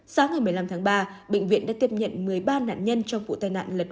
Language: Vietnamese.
sáng ngày một mươi năm tháng ba bệnh viện đã tiếp nhận một mươi ba nạn nhân trong vụ tai nạn lật